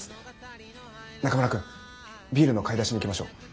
中村くんビールの買い出しに行きましょう。